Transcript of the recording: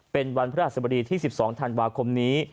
เป็นวันพระราชบดีที่๑๒ธันวาคมนี้